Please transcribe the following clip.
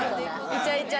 いちゃいちゃ。